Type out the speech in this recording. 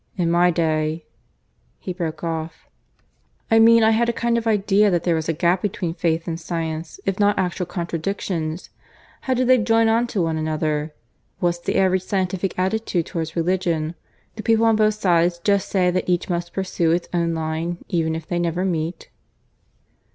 In my day " (he broke off) "I mean I had a kind of idea that there was a gap between Faith and Science if not actual contradictions. How do they join on to one another? What's the average scientific attitude towards religion? Do people on both sides just say that each must pursue its own line, even if they never meet?"